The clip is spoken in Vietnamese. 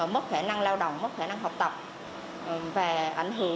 mất khả năng lao động mất khả năng học tập